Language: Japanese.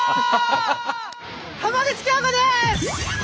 浜口京子です！